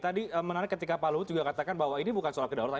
tadi menarik ketika pak luhut juga katakan bahwa ini bukan soal kedaulatan